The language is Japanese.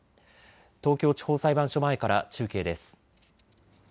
東京地方裁判所前から中継です。